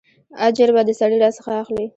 اجر به د سړي راڅخه اخلې.